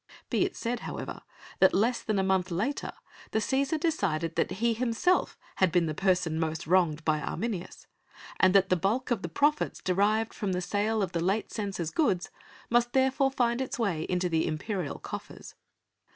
Be it said however, that less than a month later the Cæsar decided that he himself had been the person most wronged by Arminius, and that the bulk of the profits derived from the sale of the late censor's goods must therefore find its way into the imperial coffers.